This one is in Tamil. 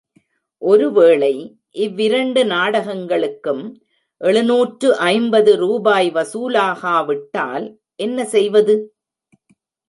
ஒருவேளை இவ்விரண்டு நாடகங்களுக்கும் எழுநூற்று ஐம்பது ரூபாய் வசூலாகாவிட்டால் என்ன செய்வது?